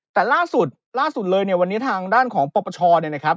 แต่ล่าสุดล่าสุดเลยเนี่ยวันนี้ทางด้านของปปชเนี่ยนะครับ